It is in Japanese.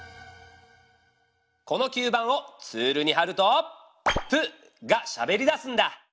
この吸盤をツールにはると「プ」がしゃべりだすんだ。